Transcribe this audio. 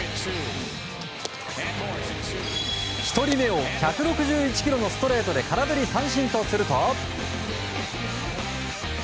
１人目を１６１キロのストレートで空振り三振とすると。